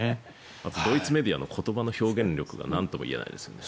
ドイツメディアの言葉の表現力がなんともいえないですね。